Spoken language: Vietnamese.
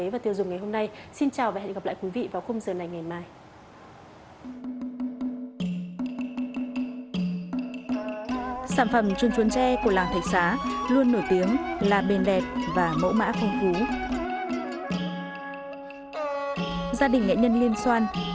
và ngày hôm nay nhờ sự giúp đỡ của cô chú liên xoan